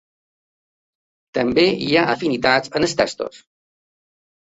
També hi ha afinitats en els textos.